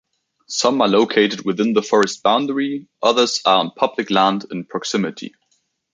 Some are located within the Forest boundary, others are on public land in proximity.